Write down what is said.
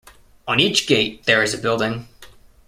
On each gate there is a building.